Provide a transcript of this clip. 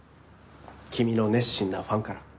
君の熱心なファンから。